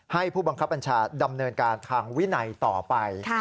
ผู้บังคับบัญชาดำเนินการทางวินัยต่อไป